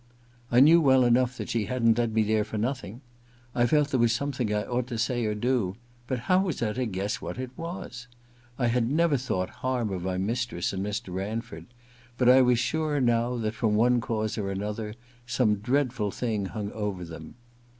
I knew well enough that she hadn't led me there for nothing. I felt there was something I ought to say or do— but how was I to guess what it was .? I had never thought harm of my mistress and Mr. Ranford, but I was sure now that, from one cause or another, some dreadful thing hung over them.